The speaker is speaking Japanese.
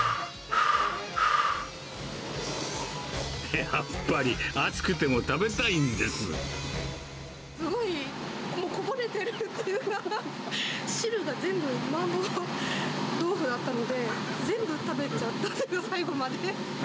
やっぱり、熱くても食べたいんですごい、もうこぼれてるというか、汁が全部、麻婆豆腐だったので、全部食べちゃった、最後まで。